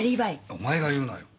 お前が言うなよ。